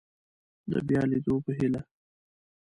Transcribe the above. د بیا لیدو په هیله